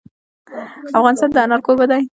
افغانستان د انار کوربه دی.